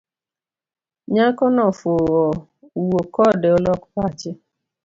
Nyakono ofuwo wuokode olok pache.